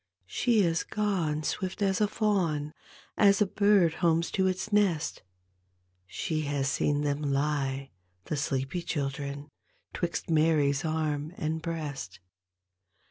She is gone swift as a fawn, As a bird homes to its nest, She has seen them lie, the sleepy children, "Twixt Mary's arm and breast.